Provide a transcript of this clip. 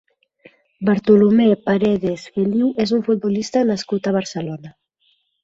Bartolomé Paredes Feliu és un futbolista nascut a Barcelona.